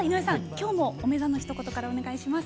今日もおめざのひと言からお願いします。